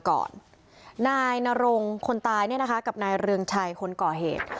ก่อนนายนรงคนตายเนี่ยนะคะกับนายเรืองชัยคนก่อเหตุ